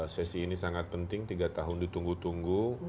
sesi ini sangat penting tiga tahun ditunggu tunggu